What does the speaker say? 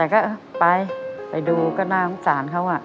แต่ก็ไปไปดูก็น่าอมศาลเขาอะ